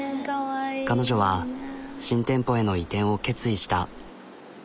彼女は新店舗への移転を決意した。